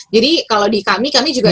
jadi kalau di kami kami juga